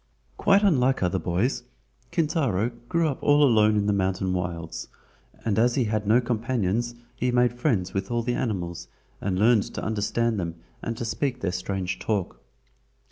Quite unlike other boys, Kintaro, grew up all alone in the mountain wilds, and as he had no companions he made friends with all the animals and learned to understand them and to speak their strange talk.